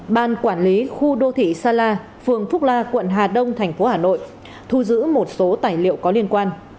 ban quản lý khu đô thị sa la phường phúc la quận hà đông thành phố hà nội thu giữ một số tài liệu có liên quan